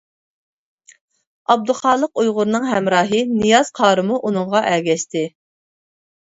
ئابدۇخالىق ئۇيغۇرنىڭ ھەمراھى نىياز قارىمۇ ئۇنىڭغا ئەگەشتى.